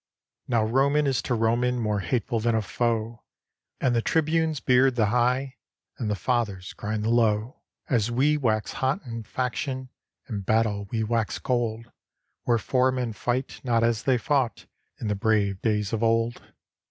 Now Roman is to Roman More hateful than a foe. And the Tribunes beard the high, And the Fathers grind the low. As we wax hot in faction, In battle we wax cold: Wherefore men fight not as they fought In the brave days of old.